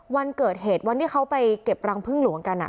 วันเกิดเหตุวันที่เขาไปเก็บรังพึ่งหลวงกัน